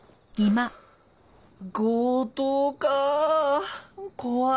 強盗か怖いなあ。